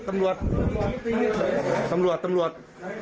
ตำรวจตำรวจตำรวจ